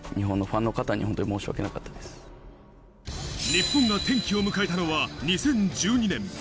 日本が転機を迎えたのは２０１２年。